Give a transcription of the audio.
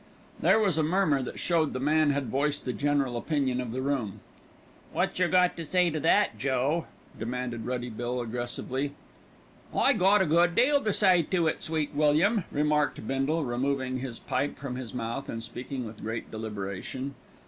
There was a murmur that showed the man had voiced the general opinion of the room. "Wot jer got to say to that, Joe?" demanded Ruddy Bill aggressively. "I got a good deal to say to it, Sweet William," remarked Bindle, removing his pipe from his mouth and speaking with great deliberation.